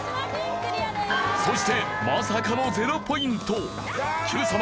そしてまさかの０ポイントＱさま！！